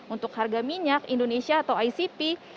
untuk harga minyak indonesia atau icp